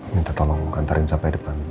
minta tolong ngantarin sampai depan